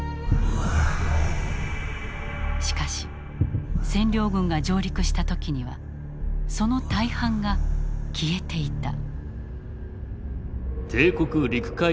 しかし占領軍が上陸した時にはその大半が消えていた。